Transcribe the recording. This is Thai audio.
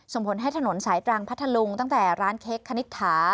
ส่งผลให้ถนนสายตรังพัทธลุงตั้งแต่ร้านเค้กคณิตถา